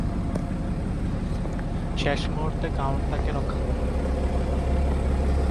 শেষ মুহুর্তে কাউন্ট তাকে রক্ষা করেন।